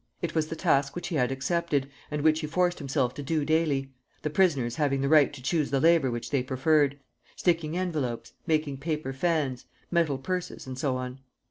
It was the task which he had accepted and which he forced himself to do daily, the prisoners having the right to choose the labor which they preferred: sticking envelopes, making paper fans, metal purses, and so on.